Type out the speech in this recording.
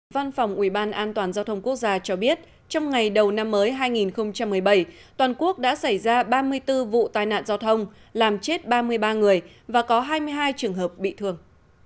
văn phòng ủy ban an toàn giao thông quốc gia cho biết trong ngày đầu năm mới hai nghìn một mươi bảy toàn quốc đã xảy ra ba mươi bốn vụ tai nạn giao thông làm chết ba mươi ba người và có hai mươi hai trường hợp bị thương